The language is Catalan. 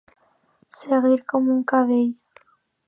Seguir com un cadell.